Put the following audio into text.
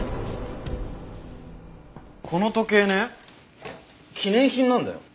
この時計ね記念品なんだよ。